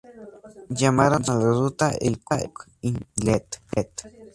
Llamaron a la ruta The Cook Inlet.